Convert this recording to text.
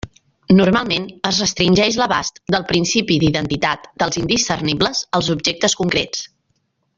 Normalment es restringeix l'abast del principi d'identitat dels indiscernibles als objectes concrets.